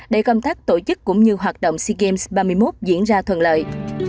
để công tác tổ chức cũng như hoạt động sea games ba mươi một diễn ra thuận lợi